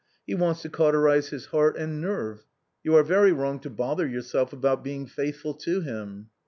He wants to cauter ize his heart and nerve. You are very wrong to bother yourself about being faithful to him."